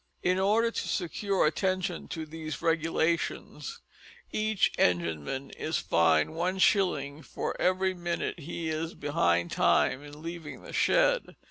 In order to secure attention to these regulations, each engineman is fined one shilling for every minute he is behind time in leaving the shed.